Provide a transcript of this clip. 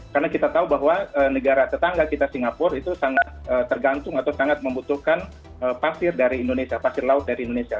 karena kita tahu bahwa negara tetangga kita singapura itu sangat tergantung atau sangat membutuhkan pasir dari indonesia pasir laut dari indonesia